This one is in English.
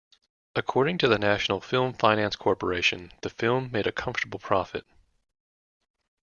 According to the National Film Finance Corporation, the film made a comfortable profit.